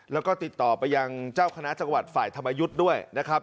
แล้วก็ติดต่อไปยังเจ้าคณะจังหวัดฝ่ายธรรมยุทธ์ด้วยนะครับ